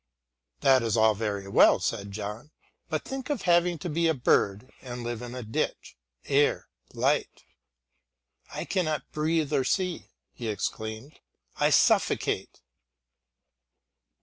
"That is all very well," said John, "but think of having to be a bird and live in a ditch! Air! light! I cannot breathe or see," he exclaimed; "I suffocate!"